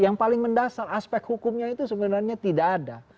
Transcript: yang paling mendasar aspek hukumnya itu sebenarnya tidak ada